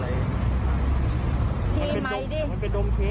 ให้อย่างนี้ได้ไหมขออนุญาต